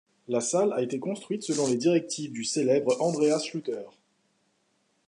La salle a été construite selon les directives du célèbre Andreas Schlüter.